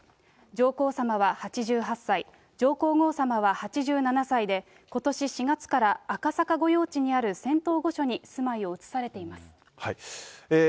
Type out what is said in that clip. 上皇さまは８８歳、上皇后さまは８７歳で、ことし４月から赤坂御用地にある仙洞御所に住まいを移されています。